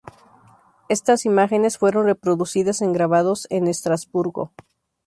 Estas imágenes fueron reproducidas en grabados en Estrasburgo.